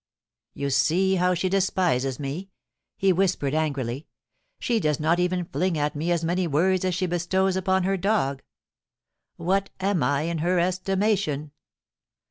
*You see how she despises me,' he whispered angrily; * she does not even fling at me as many words as she bestows upon her dog. What am I in her estimation?